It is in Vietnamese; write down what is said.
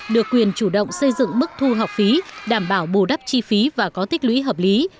được quyền chủ động xây dựng mức thu học phí đảm bảo bù đắp chi phí và có tích lũy hợp lý